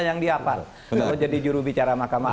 yang di hafal kalau jadi jurubicara mahkamah